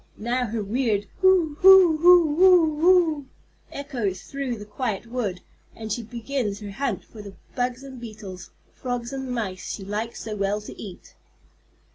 Now her weird "hoo hoo hoo oo oo" echoes through the quiet wood, and she begins her hunt for the bugs and beetles, frogs and mice she likes so well to eat.